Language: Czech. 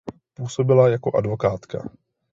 Působila jako advokátka.